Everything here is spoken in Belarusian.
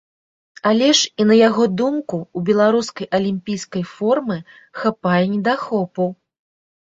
Але ж і на яго думку, у беларускай алімпійскай формы хапае недахопаў.